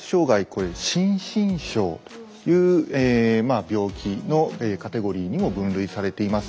これ「心身症」という病気のカテゴリーにも分類されています。